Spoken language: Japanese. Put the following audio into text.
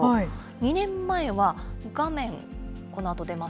２年前は画面、このあと出ます。